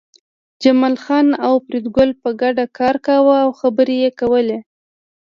جمال خان او فریدګل په ګډه کار کاوه او خبرې یې کولې